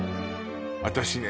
私ね